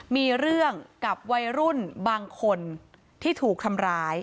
มีเรื่องกับวัยรุ่นบางคนที่ถูกทำร้าย